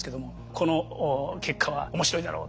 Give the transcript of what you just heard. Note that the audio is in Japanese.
「この結果は面白いだろう」